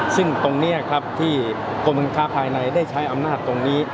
ซึ่งตรงนี้ครับที่กรมการค้าภายในได้ใช้อำนาจตรงนี้